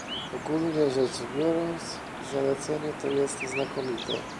Ogólnie rzecz biorąc zalecenie to jest znakomite